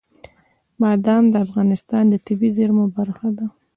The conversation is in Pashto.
بادام د افغانستان د طبیعي زیرمو برخه ده.